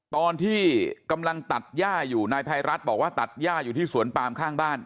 ตอนที่กำลังตัดย่าอยู่นายภัยรัฐบอกว่าตัดย่าอยู่ที่สวนปามข้างบ้าน